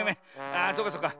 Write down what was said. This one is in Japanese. ああそうかそうか。